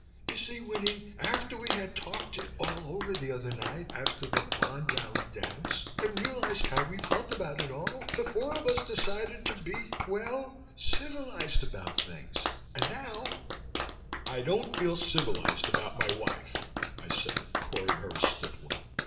You see, Winnie, after we had talked it all over the other night after the Bond Rally Dance and realized how we felt about it all, the four of us decided to be well civilized about things. And now " "I don't feel civilized about my wife," I said, pouring her a stiff one.